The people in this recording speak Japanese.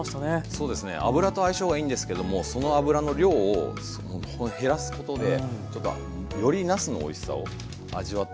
そうですね油と相性がいいんですけどもその油の量を減らすことでよりなすのおいしさを味わって頂けるんじゃないかなと。